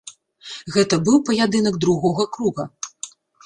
Гэта быў паядынак другога круга.